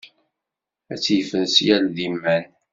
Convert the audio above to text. Ad yefres yal d iman.